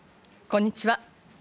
こんにちは。